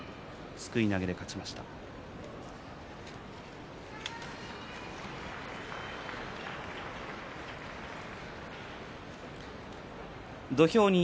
すくい投げで勝ちました大翔鵬です。